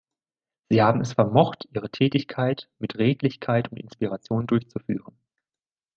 Sie haben es vermocht, Ihre Tätigkeit mit Redlichkeit und Inspiration durchzuführen.